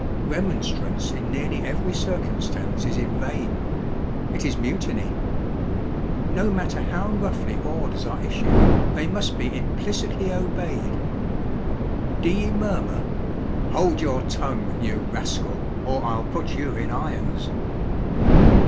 Remonstrance in nearly every circumstance is in vain it is mutiny. No matter how roughly orders are issued; they must be implicitly obeyed. 'D'ye murmur? Hold your tongue, you rascal, or I'll put you in irons!'